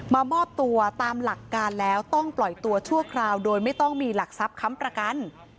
มามอบตัวตามหลักการแล้วต้องปล่อยตัวชั่วคราวโดยไม่ต้องมีหลักทรัพย์ค้ำประกัน